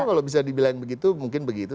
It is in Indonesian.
kalau bisa dibilang begitu mungkin begitu